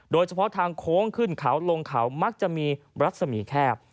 โดยเฉพาะทางโค้งขึ้นเขาลงเขามักจะมีรัศมีแคบ